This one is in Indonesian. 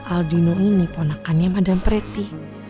aldino ini ponakannya madame priti